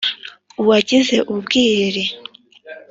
uwagize u bwiriri